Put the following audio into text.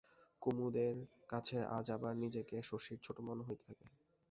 কুমুদের কাছে আজ আবার নিজেকে শশীর ছোট মনে হইতে থাকে।